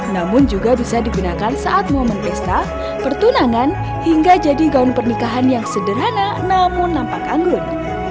namun juga bisa digunakan saat momen pesta pertunangan hingga jadi gaun pernikahan yang sederhana namun nampak anggun